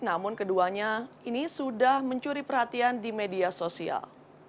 namun keduanya ini sudah mencuri perhatian di media sosial